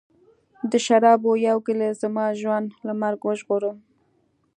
د شرابو یوه ګیلاس زما ژوند له مرګ وژغوره